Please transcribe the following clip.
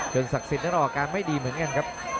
ศักดิ์สิทธิ์นั้นออกอาการไม่ดีเหมือนกันครับ